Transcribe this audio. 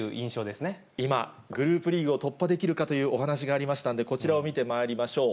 今、グループリーグを突破できるかというお話がありましたんで、こちらを見てまいりましょう。